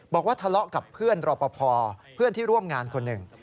บอกว่าทะเลาะกับเพื่อนรอปภเพื่อนที่ร่วมงานคนหนึ่ง